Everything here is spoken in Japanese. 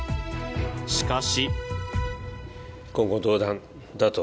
しかし。